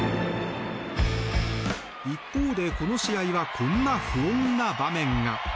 一方でこの試合はこんな不穏な場面が。